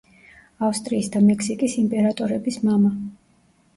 ავსტრიის და მექსიკის იმპერატორები მამა.